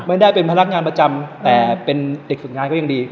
ไม่ได้เป็นพนักงานประจำแต่เป็นเด็กฝึกงานก็ยังดี